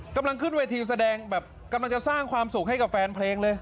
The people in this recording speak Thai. กำลังขึ้นเวทีแสดงแบบกำลังจะสร้างความสุขให้กับแฟนเพลงเลย